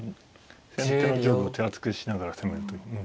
先手の上部も手厚くしながら攻めるという。